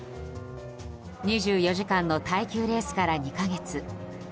２４時間の耐久レースから２か月。